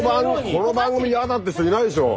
この番組やだって人いないでしょ。